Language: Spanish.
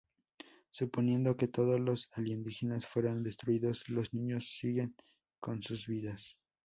Suponiendo que todos los alienígenas fueron destruidos, los niños siguen con sus vidas.